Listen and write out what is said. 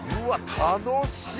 楽しい